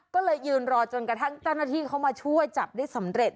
ก็เลยยืนรอจนกระทั่งเจ้าหน้าที่เขามาช่วยจับได้สำเร็จ